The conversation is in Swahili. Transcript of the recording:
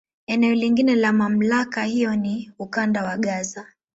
Eneo lingine la MamlakA hiyo ni Ukanda wa Gaza.